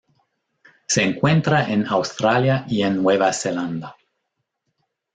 Se encuentra en Australia y en Nueva Zelanda.